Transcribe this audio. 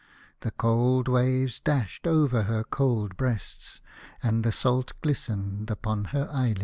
The cold waves dashed over her cold breasts, and the salt glistened upon her eyelids.